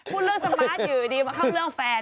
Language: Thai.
พูดเรื่องสมาร์ทอยู่ดีมาเข้าเรื่องแฟน